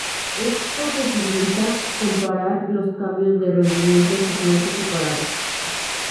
Esto posibilita comparar los cambios de rendimiento en segmentos separados.